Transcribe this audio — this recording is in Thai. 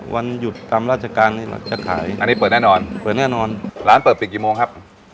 วันหยุดทำราชการนี้จะขายอันนี้เปิดแน่นอนเปิดแน่นอนร้านเปิดปิดกี่โมงครับ